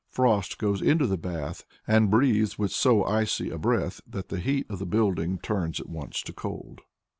Frost goes into the bath, and breathes with so icy a breath that the heat of the building turns at once to cold.